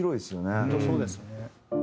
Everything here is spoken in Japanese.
本当そうですね。